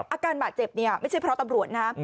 อาการบาดเจ็บเนี่ยไม่ใช่เพราะตำรวจนะ